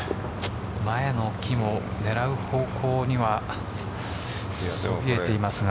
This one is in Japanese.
前の木も狙う方向にはそびえていますが。